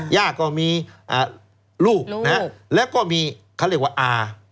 ย่าก็มีลูกนะแล้วก็มีเขาเรียกว่าอา